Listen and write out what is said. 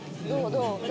どう？